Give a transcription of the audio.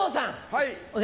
はい。